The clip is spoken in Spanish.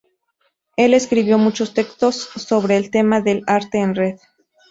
Él escribió muchos textos sobre el tema del arte en red.